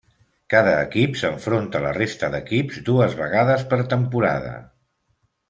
Cada equip s'enfronta a la resta d'equips dues vegades per temporada.